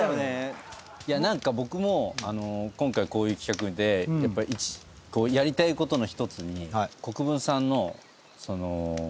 何か僕も今回こういう企画でやっぱりやりたいことの１つに国分さんのその。